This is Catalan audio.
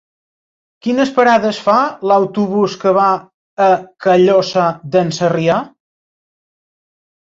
Quines parades fa l'autobús que va a Callosa d'en Sarrià?